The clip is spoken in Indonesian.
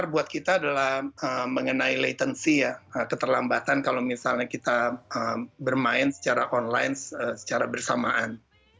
jadi pr buat kita adalah mengenai latency ya keterlambatan kalau misalnya kita bermain secara online secara bersamaan